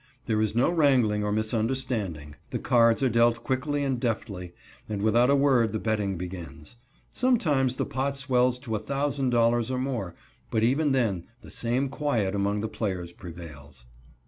There is no wrangling or misunderstanding. The cards are dealt quickly and deftly, and without a word the betting begins. Sometimes the pot swells to a thousand dollars or more, but even then the same quiet among the players prevails.